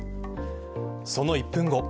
その１分後。